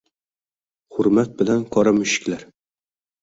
Hurmat bilan ©Qora Mushuklar